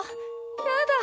やだ。